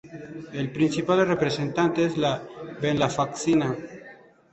El principal representante es la venlafaxina.